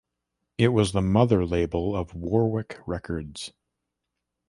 It was the mother label of Warwick Records.